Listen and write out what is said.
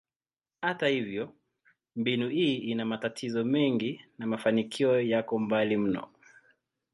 Hata hivyo, mbinu hii ina matatizo mengi na mafanikio yako mbali mno.